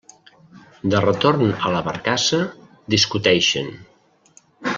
De retorn a la barcassa, discuteixen.